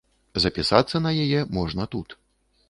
Запісацца на яе можна тут.